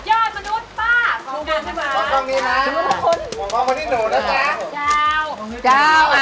หนึ่งสองซ้ำยาดมนุษย์ป้า